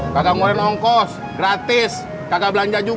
kagak ngeluarin ongkos gratis kagak belanja juga